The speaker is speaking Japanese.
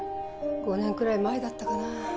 ５年くらい前だったかな。